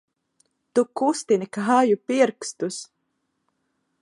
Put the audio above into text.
Tu kustini kāju pirkstus!